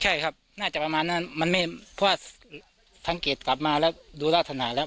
ใช่ครับน่าจะประมาณนั้นมันไม่เพราะว่าสังเกตกลับมาแล้วดูลักษณะแล้ว